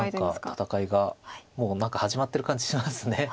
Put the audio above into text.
戦いがもう何か始まってる感じします早速。